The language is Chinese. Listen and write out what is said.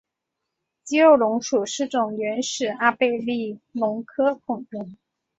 肌肉龙属是种原始阿贝力龙科恐龙。